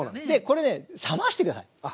これね冷まして下さい。